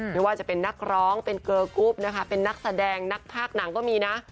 ไม่ว่าจะเป็นนักร้องเป็นเกอร์กรุ๊ปนะคะเป็นนักแสดงนักภาคหนังก็มีนะ